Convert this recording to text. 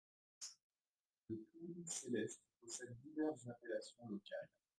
Le toui céleste possède diverses appellations locales.